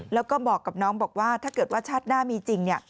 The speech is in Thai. แล้วก็บอกกับน้องบอกว่าถ้าเกิดว่าชาติหน้ามีจริง